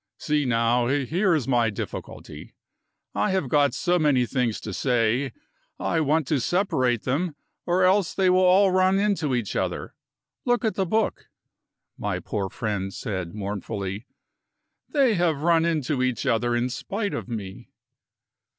See now; here is my difficulty. I have got so many things to say, I want to separate them or else they will all run into each other. Look at the book," my poor friend said mournfully; "they have run into each other in spite of me."